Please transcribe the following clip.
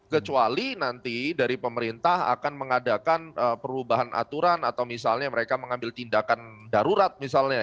kecuali nanti dari pemerintah akan mengadakan perubahan aturan atau misalnya mereka mengambil tindakan darurat misalnya